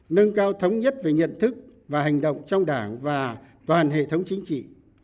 nâng cao thống nhất về nhận thức và hành động trong đảng và toàn hệ thống chính trị